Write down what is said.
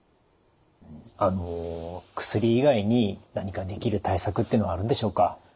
あの薬以外に何かできる対策ってあるんでしょうか？